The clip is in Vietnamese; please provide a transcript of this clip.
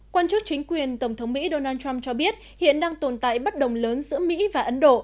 quan chức chính quyền tổng thống mỹ donald trump cho biết hiện đang tồn tại bất đồng lớn giữa mỹ và ấn độ